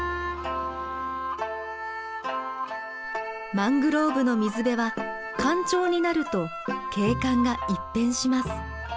マングローブの水辺は干潮になると景観が一変します。